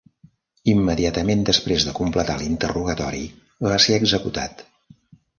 Immediatament després de completar l'interrogatori, va ser executat.